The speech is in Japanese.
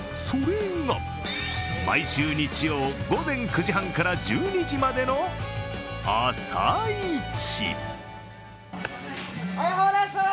それが、毎週日曜午前９時半から１２時までの朝市。